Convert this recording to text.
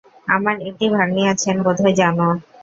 আমার একটি ভাগ্নী আছেন বোধ হয় জানো?